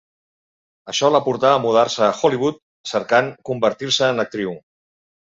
Això la portà a mudar-se a Hollywood cercant convertir-se en actriu.